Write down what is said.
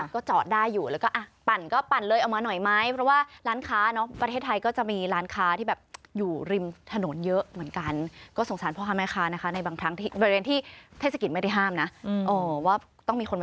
เขาเรียกว่าแสวงจุดร่วมสามารถแสวงจุดต่าง